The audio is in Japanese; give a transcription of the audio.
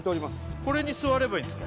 これに座ればいいんすか？